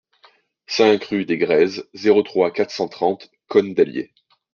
cinq rue des Grèzes, zéro trois, quatre cent trente Cosne-d'Allier